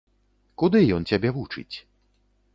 Куды ён цябе вучыць?